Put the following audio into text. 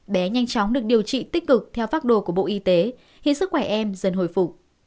bé nhanh chóng được điều trị tích cực theo pháp đồ của bộ y tế hiến sức khỏe em dần hồi phụ